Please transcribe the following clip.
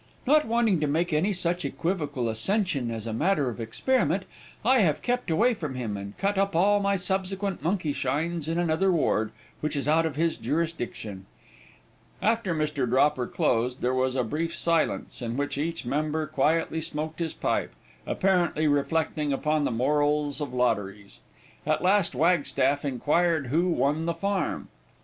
Not wanting to make any such equivocal ascension as a matter of experiment, I have kept away from him, and cut up all my subsequent monkey shines in another ward, which is out of his jurisdiction." After Mr. Dropper closed, there was a brief silence, in which each member quietly smoked his pipe, apparently reflecting upon the morals of lotteries. At last Wagstaff inquired who won the farm.